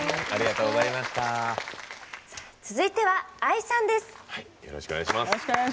続いてはＡＩさんです。